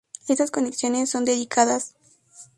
Estas conexiones son dedicadas.